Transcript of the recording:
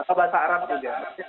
atau bahasa arab juga